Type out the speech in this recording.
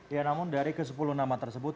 ya namun dari ke sepuluh nama tersebut